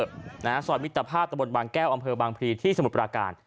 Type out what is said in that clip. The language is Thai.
ซอยมิตรภาพตะบนบางแก้วอำเภอบางพลีที่สมุทรปราการ